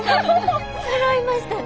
そろいましたね。